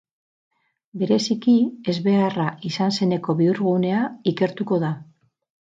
Bereziki, ezbeharra izan zeneko bihurgunea ikertuko da.